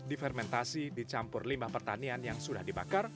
difermentasi dicampur limbah pertanian yang sudah dibakar